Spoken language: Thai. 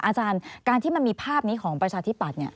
อาจารย์คราวที่ได้มีภาพของประชาธิบด